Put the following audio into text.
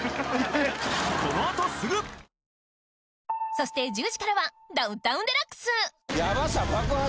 そして１０時からは『ダウンタウンＤＸ』！